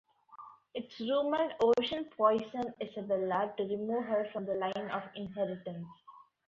It's rumored Oshin poisoned Isabella to remove her from the line of inheritance.